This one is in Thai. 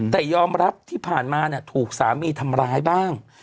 แต่ยอมรับที่ผ่านมาถูกสามีทำร้ายบ้าง